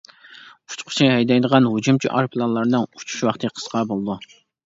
ئۇچقۇچى ھەيدەيدىغان ھۇجۇمچى ئايروپىلانلارنىڭ ئۇچۇش ۋاقتى قىسقا بولىدۇ.